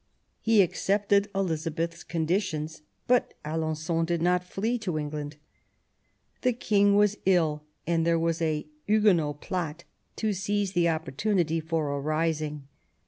He accepted Elizabeth's conditions; but Alen9on did not flee to England. The King was ill, and there was a Huguenot plot to seize the opportunity for a rising.